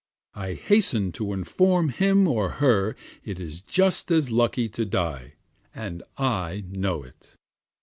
I hasten to inform him or her it is just as lucky to die, and I know it.